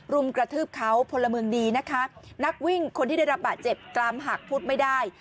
รุมกระทืบเขาพลเมืองดีนะคะนักวิ่งคนที่ได้รับบาดเจ็บกรามหักพูดไม่ได้